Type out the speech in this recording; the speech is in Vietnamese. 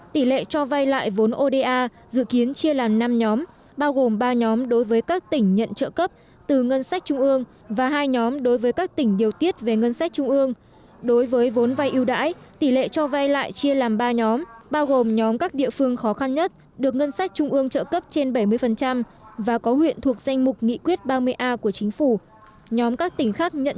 tỷ lệ cho vay lại vốn oda dự kiến chia làm năm nhóm bao gồm ba nhóm đối với các tỉnh nhận trợ cấp từ ngân sách trung ương và hai nhóm đối với các tỉnh nhận trợ cấp từ ngân sách trung ương